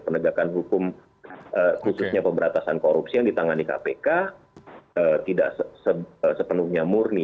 penegakan hukum khususnya pemberantasan korupsi yang ditangani kpk tidak sepenuhnya murni